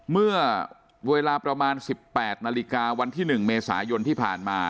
เมื่อเวลาประมาณ๑๘นาฬิกาวันที่๑เมษายนที่ผ่านมา